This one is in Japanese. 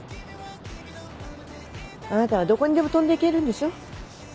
あなたはどこにでも飛んで行けるんでしょ？